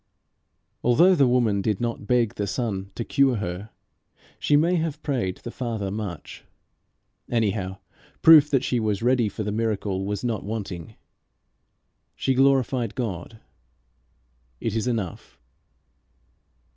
Although the woman did not beg the Son to cure her, she may have prayed the Father much. Anyhow proof that she was ready for the miracle is not wanting. She glorified God. It is enough.